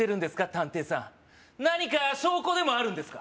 探偵さん何か証拠でもあるんですか？